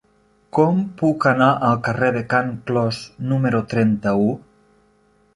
Com puc anar al carrer de Can Clos número trenta-u?